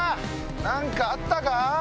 何かあったか？